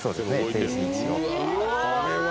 停止位置を。